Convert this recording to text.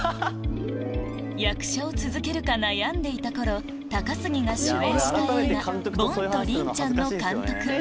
役者を続けるか悩んでいた頃高杉が主演した映画『ぼんとリンちゃん』の監督